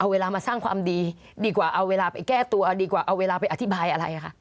เวลามาสร้างความดีดีกว่าเอาเวลาไปแก้ตัวเอาดีกว่าเอาเวลาไปอธิบายอะไรค่ะ